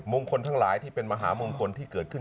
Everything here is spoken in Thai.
คนทั้งหลายที่เป็นมหามงคลที่เกิดขึ้น